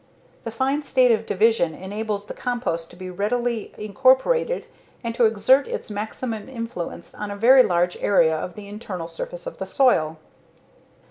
The fine state of division enables the compost to be rapidly incorporated and to exert its maximum influence on a very large area of the internal surface of the soil."